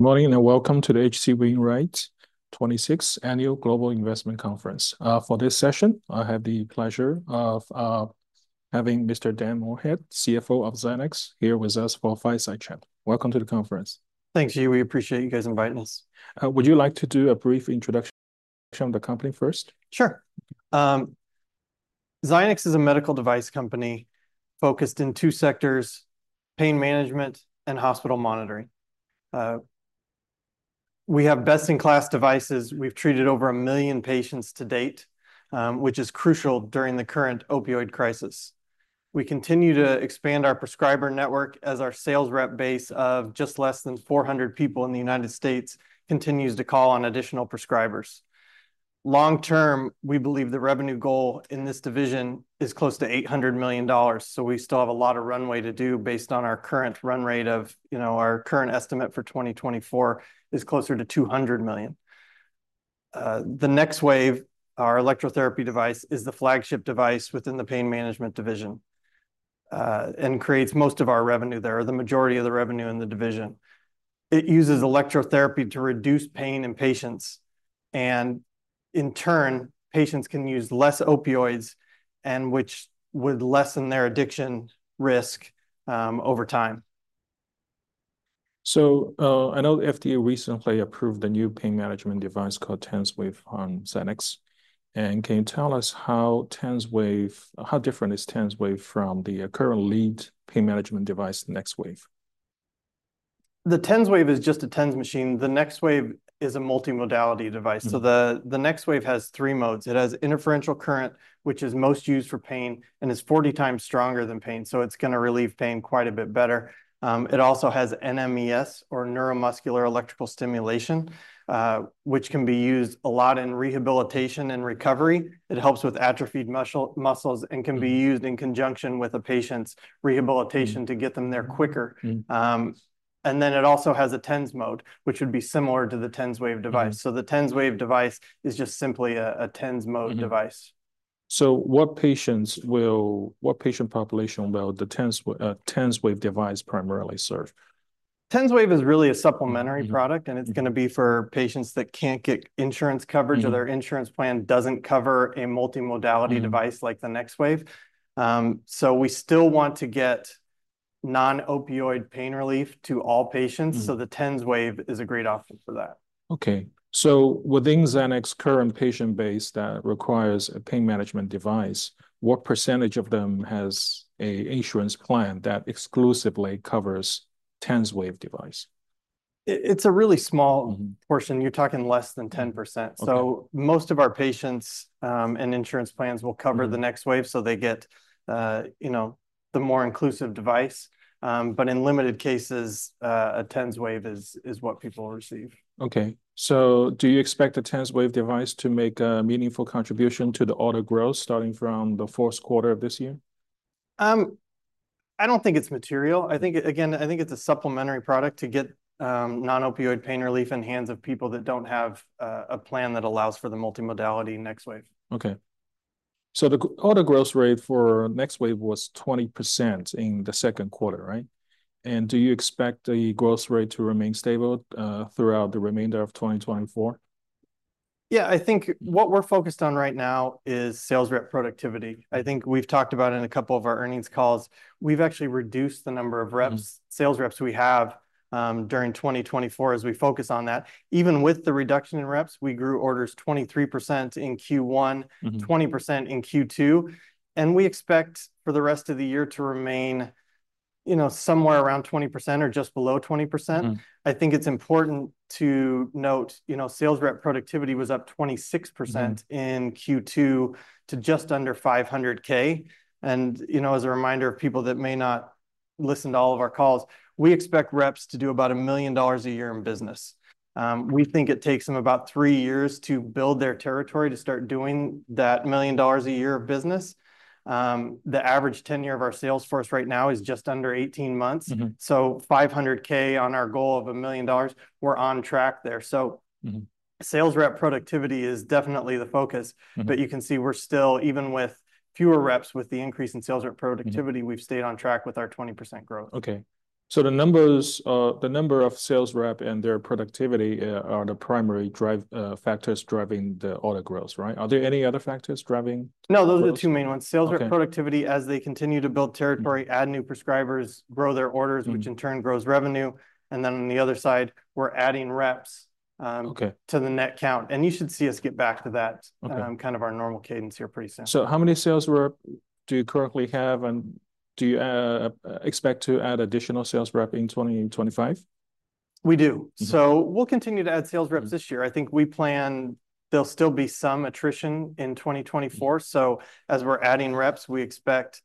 Good morning, and welcome to the H.C. Wainwright 26th Annual Global Investment Conference. For this session, I have the pleasure of having Mr. Dan Moorhead, CFO of Zynex, here with us for a fireside chat. Welcome to the conference. Thanks, Yi. We appreciate you guys inviting us. Would you like to do a brief introduction of the company first? Sure. Zynex is a medical device company focused in two sectors: pain management and hospital monitoring. We have best-in-class devices. We've treated over a million patients to date, which is crucial during the current opioid crisis. We continue to expand our prescriber network as our sales rep base of just less than 400 people in the United States continues to call on additional prescribers. Long-term, we believe the revenue goal in this division is close to $800 million, so we still have a lot of runway to do based on our current run rate of, you know, our current estimate for 2024 is closer to $200 million. The NexWave, our electrotherapy device, is the flagship device within the pain management division, and creates most of our revenue there, or the majority of the revenue in the division. It uses electrotherapy to reduce pain in patients, and in turn, patients can use less opioids, and which would lessen their addiction risk, over time. I know FDA recently approved a new pain management device called TensWave from Zynex. Can you tell us how TensWave... How different is TensWave from the current lead pain management device, NexWave? The TensWave is just a TENS machine. The NexWave is a multimodality device. So the NexWave has three modes. It has interferential current, which is most used for pain and is 40 times stronger than pain, so it's gonna relieve pain quite a bit better. It also has NMES, or neuromuscular electrical stimulation, which can be used a lot in rehabilitation and recovery. It helps with atrophied muscle, muscles-... and can be used in conjunction with a patient's rehabilitation-... to get them there quicker. And then it also has a TENS mode, which would be similar to the TensWave device. So the TensWave device is just simply a TENS mode device. So what patient population will the TensWave device primarily serve? TensWave is really a supplementary product- and it's gonna be for patients that can't get insurance coverage. or their insurance plan doesn't cover a multimodality device.... like the NexWave, so we still want to get non-opioid pain relief to all patients. so the TensWave is a great option for that. Okay, so within Zynex's current patient base that requires a pain management device, what percentage of them has a insurance plan that exclusively covers TensWave device? It's a really small-... portion. You're talking less than 10%. Okay. So most of our patients, and insurance plans will cover-... the NexWave, so they get, you know, the more inclusive device, but in limited cases, a TensWave is what people receive. Okay, so do you expect the TensWave device to make a meaningful contribution to the order growth, starting from the fourth quarter of this year? I don't think it's material. I think, again, I think it's a supplementary product to get non-opioid pain relief in hands of people that don't have a plan that allows for the multimodality NexWave. Okay. So the order growth rate for NexWave was 20% in the second quarter, right? And do you expect the growth rate to remain stable throughout the remainder of 2024? Yeah, I think what we're focused on right now is sales rep productivity. I think we've talked about it in a couple of our earnings calls. We've actually reduced the number of reps-... sales reps we have, during twenty twenty-four as we focus on that. Even with the reduction in reps, we grew orders 23% in Q1-... 20% in Q2, and we expect for the rest of the year to remain, you know, somewhere around 20% or just below 20%. I think it's important to note, you know, sales rep productivity was up 26%.... in Q2 to just under $500,000. And, you know, as a reminder of people that may not listen to all of our calls, we expect reps to do about $1 million a year in business. We think it takes them about three years to build their territory to start doing that $1 million a year of business. The average tenure of our sales force right now is just under 18 months. $500K on our goal of $1,000,000, we're on track there.... sales rep productivity is definitely the focus. But you can see we're still, even with fewer reps, with the increase in sales rep productivity-... we've stayed on track with our 20% growth. Okay, so the number of sales rep and their productivity are the primary drive, factors driving the order growth, right? Are there any other factors driving- No, those are the two main ones. Okay. Sales rep productivity, as they continue to build territory... add new prescribers, grow their orders... which in turn grows revenue. And then on the other side, we're adding reps. Okay... to the net count. You should see us get back to that- Okay... kind of our normal cadence here pretty soon. So how many sales rep do you currently have, and do you expect to add additional sales rep in 2025? We do. We'll continue to add sales reps this year. There'll still be some attrition in twenty twenty-four. So as we're adding reps, we expect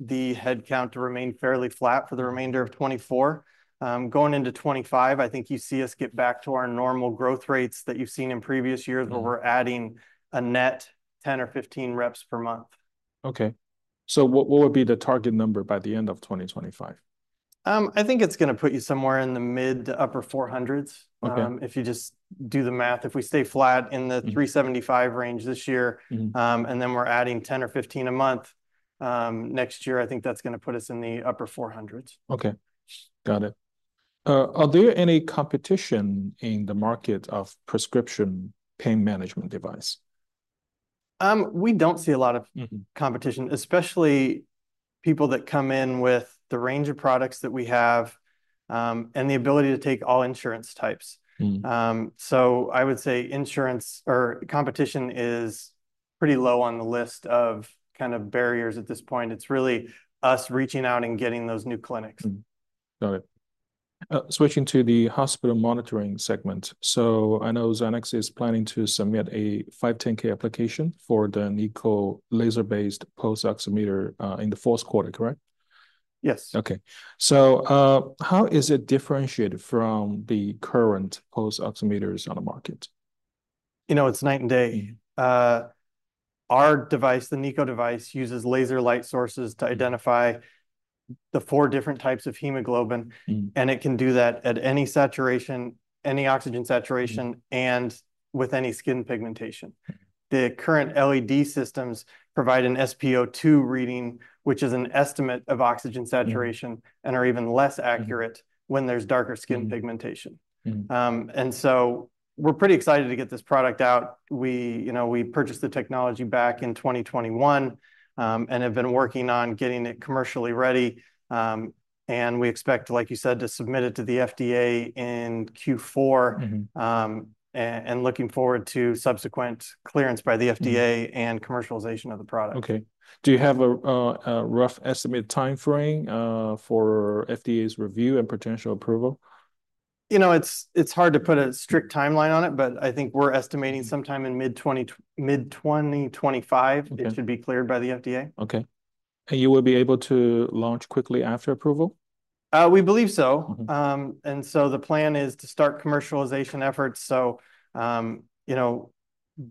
the headcount to remain fairly flat for the remainder of 2024. Going into 2025, I think you'd see us get back to our normal growth rates that you've seen in previous years... where we're adding a net 10 or 15 reps per month. Okay. So what would be the target number by the end of twenty twenty-five? I think it's gonna put you somewhere in the mid to upper four hundreds. Okay. If you just do the math, if we stay flat in the- Mm... 375 range this year- Mm... and then we're adding 10 or 15 a month next year. I think that's gonna put us in the upper four hundreds. Okay, got it. Are there any competition in the market of prescription pain management device? We don't see a lot of- Mm-hmm... competition, especially people that come in with the range of products that we have, and the ability to take all insurance types. Mm. So, I would say insurance or competition is pretty low on the list of kind of barriers at this point. It's really us reaching out and getting those new clinics. Mm. Got it. Switching to the hospital monitoring segment. So I know Zynex is planning to submit a 510(k) application for the NiCO laser-based pulse oximeter in the fourth quarter, correct? Yes. Okay. So, how is it differentiated from the current pulse oximeters on the market? You know, it's night and day. Our device, the NiCO device, uses laser light sources to identify the four different types of hemoglobin. Mm... and it can do that at any saturation, any oxygen saturation- Mm... and with any skin pigmentation. The current LED systems provide an SpO2 reading, which is an estimate of oxygen saturation- Mm... and are even less accurate- Mm... when there's darker skin pigmentation. Mm, mm. And so we're pretty excited to get this product out. We, you know, we purchased the technology back in 2021, and have been working on getting it commercially ready. And we expect, like you said, to submit it to the FDA in Q4- Mm-hmm... and looking forward to subsequent clearance by the FDA. Mm... and commercialization of the product. Okay. Do you have a rough estimate timeframe for FDA's review and potential approval? You know, it's, it's hard to put a strict timeline on it, but I think we're estimating- Mm... sometime in mid-2025. Okay... it should be cleared by the FDA. Okay. And you will be able to launch quickly after approval? We believe so. Mm-hmm. And so the plan is to start commercialization efforts. So, you know,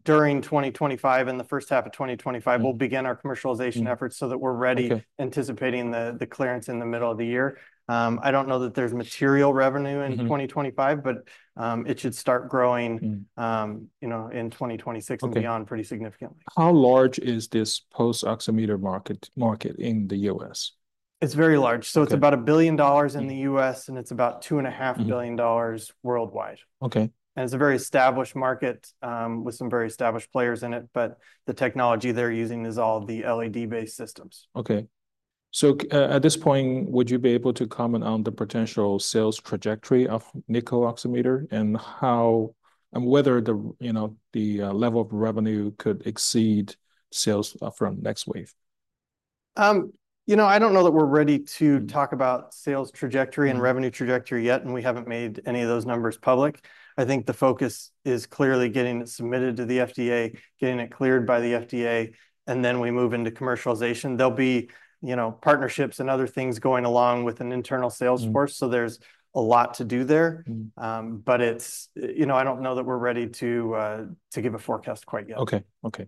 during 2025, in the first half of 2025- Mm... we'll begin our commercialization efforts-... so that we're ready- Okay... anticipating the clearance in the middle of the year. I don't know that there's material revenue in 2025- Mm... but, it should start growing- Mm... you know, in 2026- Okay... and beyond pretty significantly. How large is this pulse oximeter market in the U.S.? It's very large. Okay. So it's about $1 billion in the U.S., and it's about $2.5 billion dollars- Mm... worldwide. Okay. And it's a very established market, with some very established players in it, but the technology they're using is all the LED-based systems. Okay. So, at this point, would you be able to comment on the potential sales trajectory of NiCO oximeter and how and whether the, you know, the level of revenue could exceed sales from NexWave? You know, I don't know that we're ready to talk about- Mm... sales trajectory and revenue trajectory yet, and we haven't made any of those numbers public. I think the focus is clearly getting it submitted to the FDA, getting it cleared by the FDA, and then we move into commercialization. There'll be, you know, partnerships and other things going along with an internal sales force. Mm... so there's a lot to do there. Mm. But it's... You know, I don't know that we're ready to give a forecast quite yet. Okay, okay.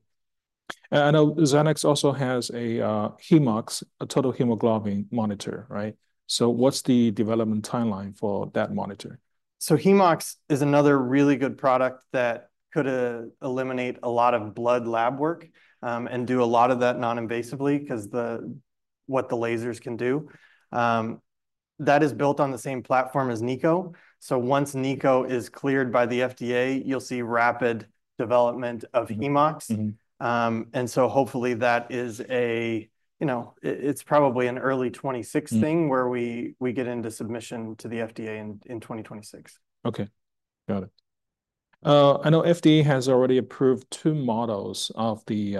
And I know Zynex also has a HemoOx, a total hemoglobin monitor, right? So what's the development timeline for that monitor? So HemoOx is another really good product that could eliminate a lot of blood lab work, and do a lot of that non-invasively, 'cause what the lasers can do. That is built on the same platform as NiCO. So once NiCO is cleared by the FDA, you'll see rapid development of HemoOx. Mm-hmm. Mm-hmm. And so hopefully that is a... You know, it's probably an early 2026 thing. Mm... where we get into submission to the FDA in 2026. Okay, got it. I know FDA has already approved two models of the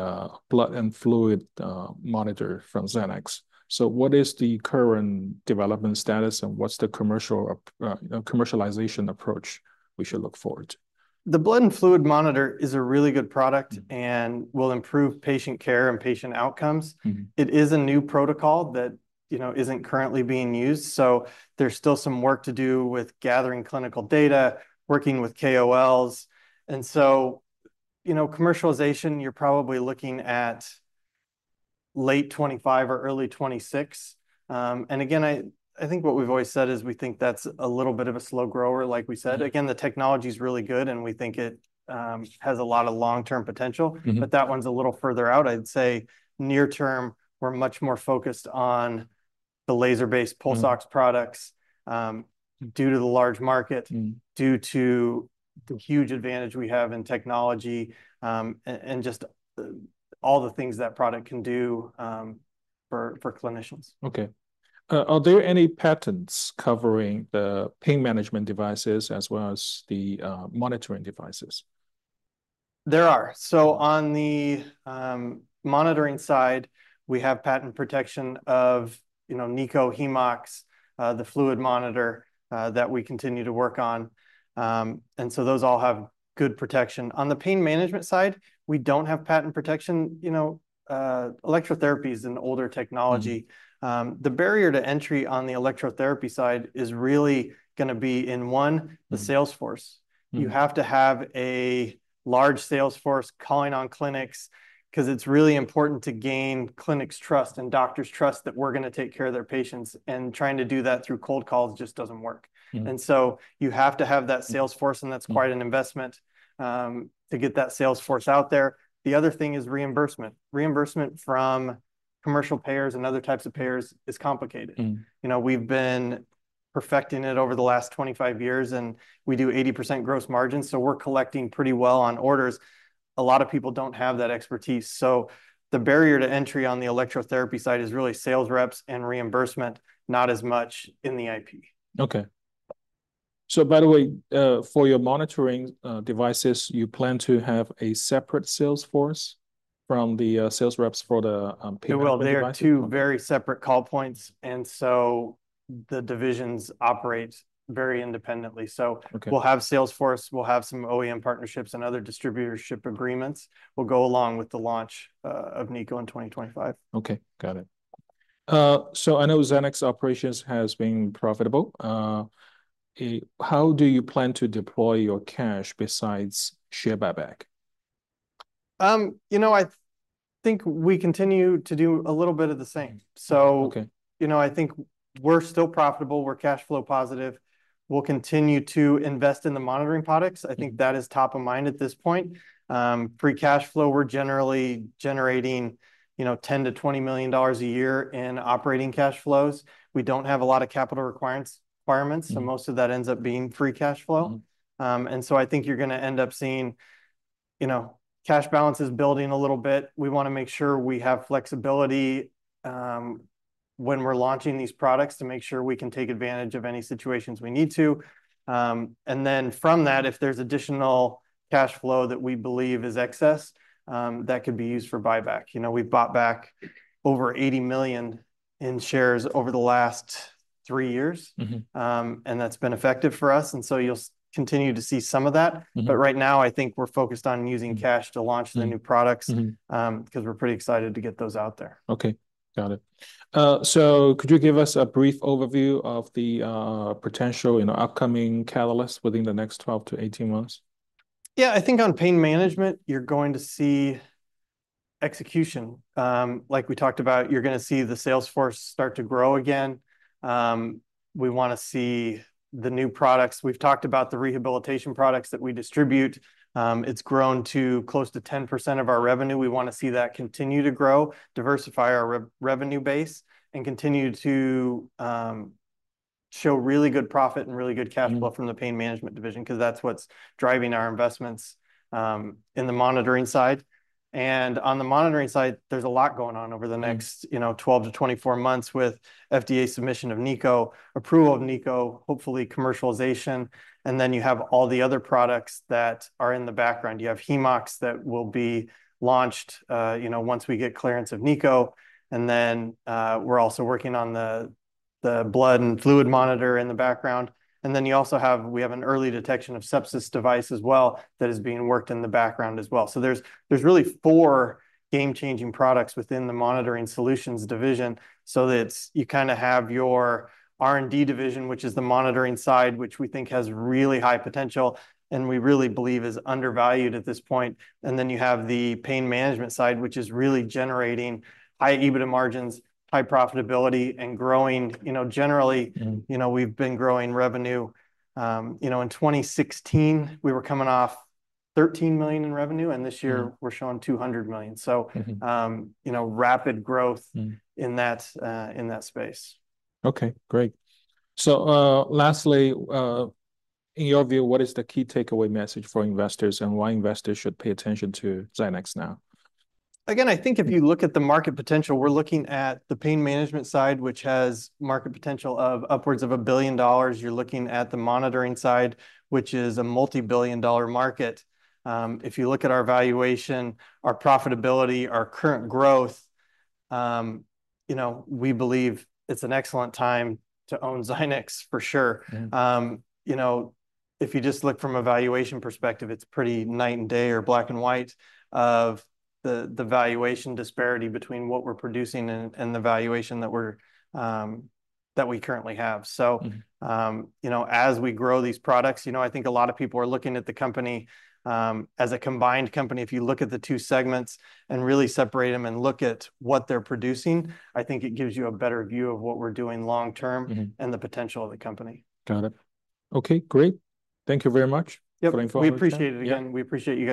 blood and fluid monitor from Zynex. So what is the current development status, and what's the commercialization approach you know we should look forward to? The blood and fluid monitor is a really good product- Mm... and will improve patient care and patient outcomes. Mm-hmm. It is a new protocol that, you know, isn't currently being used, so there's still some work to do with gathering clinical data, working with KOLs, and so, you know, commercialization, you're probably looking at late 2025 or early 2026, and again, I think what we've always said is we think that's a little bit of a slow grower, like we said. Mm. Again, the technology's really good, and we think it has a lot of long-term potential. Mm-hmm. But that one's a little further out. I'd say near-term, we're much more focused on the laser-based pulse oximetry. Mm... products, due to the large market- Mm... due to the huge advantage we have in technology, and just all the things that product can do, for clinicians. Okay. Are there any patents covering the pain management devices as well as the monitoring devices? There are. So on the monitoring side, we have patent protection of, you know, NiCO, HemoOx, the fluid monitor, that we continue to work on. And so those all have good protection. On the pain management side, we don't have patent protection. You know, electrotherapy is an older technology. The barrier to entry on the electrotherapy side is really gonna be, in one, the sales force. Mm. You have to have a large sales force calling on clinics, 'cause it's really important to gain clinics' trust and doctors' trust that we're gonna take care of their patients, and trying to do that through cold calls just doesn't work. And so you have to have that sales force. Mm... and that's quite an investment, to get that sales force out there. The other thing is reimbursement. Reimbursement from commercial payers and other types of payers is complicated. Mm. You know, we've been perfecting it over the last twenty-five years, and we do 80% gross margin, so we're collecting pretty well on orders. A lot of people don't have that expertise, so the barrier to entry on the electrotherapy side is really sales reps and reimbursement, not as much in the IP. Okay. So by the way, for your monitoring devices, you plan to have a separate sales force from the sales reps for the pain management device? Well, they are two very separate call points, and so the divisions operate very independently. Okay. So we'll have sales force. We'll have some OEM partnerships and other distributorship agreements will go along with the launch of NiCO in twenty twenty-five. Okay, got it. So I know Zynex operations has been profitable. How do you plan to deploy your cash besides share buyback? You know, I think we continue to do a little bit of the same. Okay. So, you know, I think we're still profitable, we're cash flow positive. We'll continue to invest in the monitoring products. Mm-hmm. I think that is top of mind at this point. Free cash flow, we're generally generating, you know, $10-$20 million a year in operating cash flows. We don't have a lot of capital requirements. Mm-hmm... so most of that ends up being free cash flow. Mm-hmm. And so I think you're gonna end up seeing, you know, cash balances building a little bit. We wanna make sure we have flexibility when we're launching these products, to make sure we can take advantage of any situations we need to, and then from that, if there's additional cash flow that we believe is excess, that could be used for buyback. You know, we've bought back over $80 million in shares over the last three years. Mm-hmm. And that's been effective for us, and so you'll continue to see some of that. Mm-hmm. But right now, I think we're focused on using cash. Mm-hmm... to launch the new products- Mm-hmm... because we're pretty excited to get those out there. Okay. Got it. So could you give us a brief overview of the potential, you know, upcoming catalysts within the next twelve to eighteen months? Yeah, I think on pain management, you're going to see execution. Like we talked about, you're gonna see the sales force start to grow again. We wanna see the new products. We've talked about the rehabilitation products that we distribute. It's grown to close to 10% of our revenue. We wanna see that continue to grow, diversify our revenue base, and continue to show really good profit and really good cash flow. Mm-hmm... from the pain management division, because that's what's driving our investments in the monitoring side. And on the monitoring side, there's a lot going on over the next- Mm... you know, 12-24 months with FDA submission of NiCO, approval of NiCO, hopefully commercialization, and then you have all the other products that are in the background. You have HemoOx that will be launched, you know, once we get clearance of NiCO, and then, we're also working on the blood and fluid monitor in the background. And then we have an early detection of sepsis device as well, that is being worked in the background as well. So there's really four game-changing products within the monitoring solutions division, so that's you kind of have your R&D division, which is the monitoring side, which we think has really high potential, and we really believe is undervalued at this point. And then you have the pain management side, which is really generating high EBITDA margins, high profitability, and growing. You know, generally. Mm... you know, we've been growing revenue. You know, in 2016, we were coming off $13 million in revenue, and this year- Mm... we're showing $200 million. Mm-hmm. You know, rapid growth. Mm... in that space. Okay, great. So, lastly, in your view, what is the key takeaway message for investors, and why investors should pay attention to Zynex now? Again, I think if you look at the market potential, we're looking at the pain management side, which has market potential of upwards of $1 billion. You're looking at the monitoring side, which is a multi-billion-dollar market. If you look at our valuation, our profitability, our current growth, you know, we believe it's an excellent time to own Zynex, for sure. Mm. You know, if you just look from a valuation perspective, it's pretty night and day or black and white of the valuation disparity between what we're producing and the valuation that we currently have. Mm-hmm. So, you know, as we grow these products, you know, I think a lot of people are looking at the company as a combined company. If you look at the two segments and really separate them and look at what they're producing, I think it gives you a better view of what we're doing long term- Mm-hmm... and the potential of the company. Got it. Okay, great. Thank you very much- Yep... for looking forward to it. We appreciate it. Yeah. Again, we appreciate you-